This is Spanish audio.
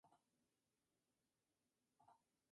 En acciones de armas alcanzó el grado de capitán.